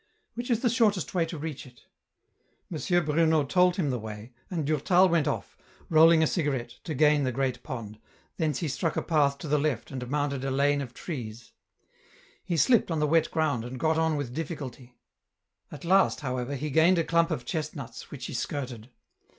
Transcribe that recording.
Which is the shortest way to reach it ?M. Bruno told him the way, and Durtal went off, rolling a cigarette, to gain the great pond, thence he struck a path to the left and mounted a lane of trees. He slipped on the wet ground, and got on with difficulty. At last, however, he gained a clump of chestnuts, which he skirted.